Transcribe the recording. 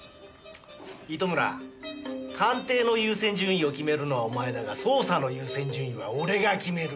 糸村鑑定の優先順位を決めるのはお前だが捜査の優先順位は俺が決める。